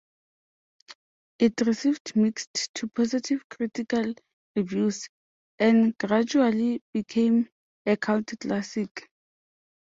It received mixed to positive critical reviews, and gradually became a cult classic.